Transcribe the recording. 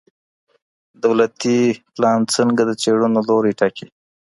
دولتي پلان څنګه د څېړنو لوری ټاکي؟